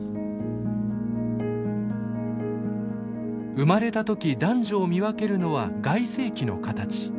生まれた時男女を見分けるのは外性器の形。